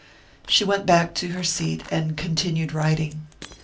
She went back to her seat and continued writing.